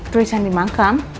tulisan di makam